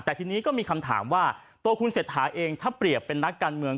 แต่ทีนี้ก็มีคำถามว่าตัวคุณเศรษฐาเองถ้าเปรียบเป็นนักการเมือง